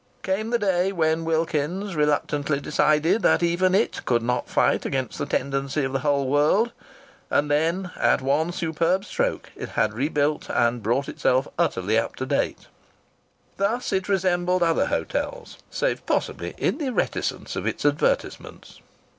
Came the day when Wilkins's reluctantly decided that even it could not fight against the tendency of the whole world, and then, at one superb stroke, it had rebuilt and brought itself utterly up to date. Thus it resembled other hotels. (Save, possibly, in the reticence of its advertisements!